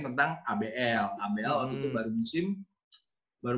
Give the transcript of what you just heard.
tentang abl abl waktu itu baru